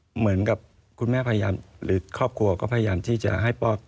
เหมือนกับคุณแม่พยายามหรือครอบครัวก็พยายามที่จะให้ปอด